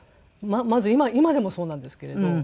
まず今でもそうなんですけれど。